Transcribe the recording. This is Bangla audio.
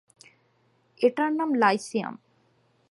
এটার নাম লাইসিয়াম।